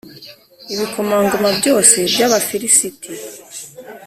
ibikomangoma byose by’Abafilisiti.